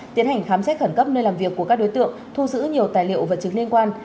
tiến hành khám xét khẩn cấp nơi làm việc của các đối tượng thu giữ nhiều tài liệu vật chứng liên quan